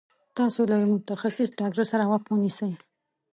تاسو له يوه متخصص ډاکټر سره وخت ونيسي